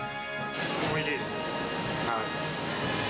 おいしいです。